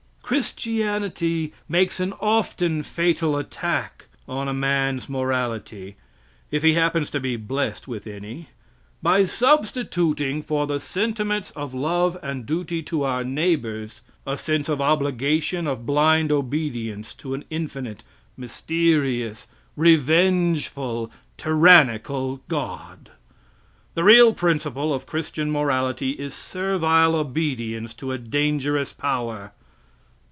Christianity makes an often fatal attack on a man's morality if he happens to be blessed with any by substituting for the sentiments of love and duty to our neighbors, a sense of obligation of blind obedience to an infinite, mysterious, revengeful, tyrannical God! The real principle of Christian morality, is servile obedience to a dangerous Power!